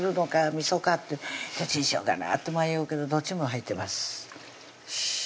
みそかってどっちにしようかなと迷うけどどっちも入ってます